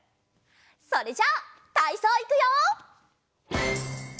それじゃたいそういくよ。